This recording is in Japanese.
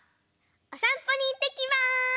おさんぽにいってきます！